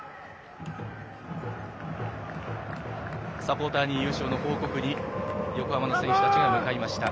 サポーターに優勝の報告に横浜の選手たちが向かいました。